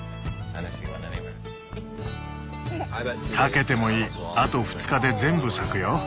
賭けてもいいあと２日で全部咲くよ。